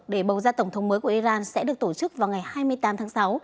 để bầu ra tổng thống mới của iran sẽ được tổ chức vào ngày hai mươi tám tháng sáu